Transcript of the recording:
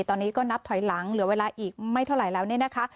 ตอนนี้ก็นับถอยหลังเหลือเวลาอีกไม่เท่าไหร่แล้วเนี่ยนะคะ